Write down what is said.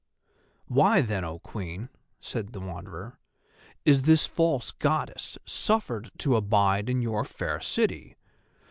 "Why then, O Queen," said the Wanderer, "is this false Goddess suffered to abide in your fair city?